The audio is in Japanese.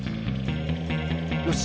よし！